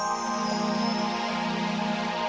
aku mau bilang dan aku beruntut bagi kamu